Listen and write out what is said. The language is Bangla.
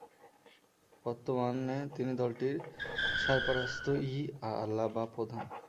বর্তমানে তিনি দলটির "সারপারাস্ত-ই-আ'লা" বা প্রধান।